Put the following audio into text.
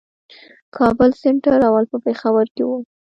کابل سېنټر اول په پېښور کښي وو.